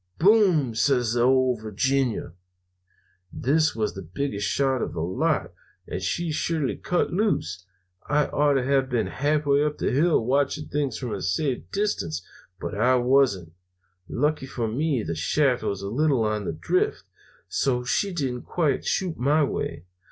"'Boom!' says the Ole Virginia. "This was the biggest shot of the lot, and she surely cut loose. I ought to have been halfway up the hill watching things from a safe distance, but I wasn't. Lucky for me the shaft was a little on the drift, so she didn't quite shoot my way.